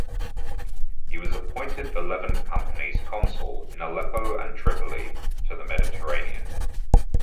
He was appointed the Levant Company's Consul in Aleppo and Tripoli, to the Mediterranean.